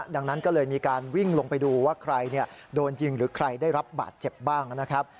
ดังนั้นก็เลยมีการวิ่งลงไปดูว่าใครโดนยิงหรือใครได้รับบาดเจ็บบ้างนะครับ